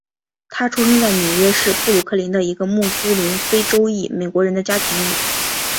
他出生在纽约市布鲁克林区的一个穆斯林非洲裔美国人的家庭里。